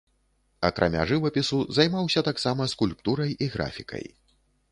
Акрамя жывапісу, займаўся таксама скульптурай і графікай.